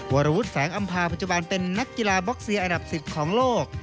วรวุฒิแสงอำภาปัจจุบันเป็นนักกีฬาบ็อกเซียอันดับ๑๐ของโลก